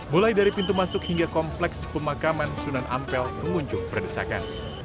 mulai dari pintu masuk hingga kompleks pemakaman sunan ampel mengunjung perdesakan